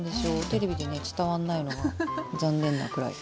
テレビでね伝わんないのが残念なくらい。